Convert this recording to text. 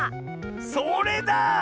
それだ！